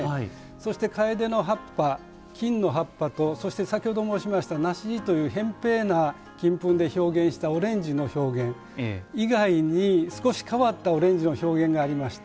そしてカエデの葉っぱ金の葉っぱとそして先ほど申しました梨子地というへん平な金粉で表現したオレンジの表現以外に少し変わったオレンジの表現がありまして。